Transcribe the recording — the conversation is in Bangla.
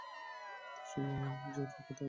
তোর সঙ্গে আমার জরুরি কথা আছে।